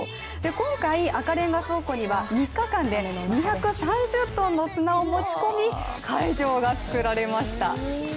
今回、赤レンガ倉庫には３日間で２３０ｔの砂を持ち込み会場が作られました。